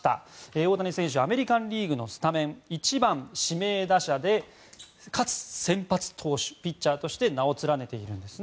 大谷選手アメリカン・リーグのスタメン１番指名打者でかつ先発投手、ピッチャーとして名を連ねているんですね。